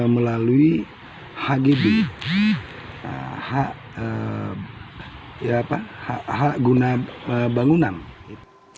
melalui hgb hak hak guna bangunan itu